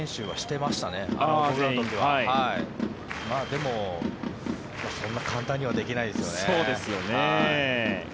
でも、そんな簡単にはできないですよね。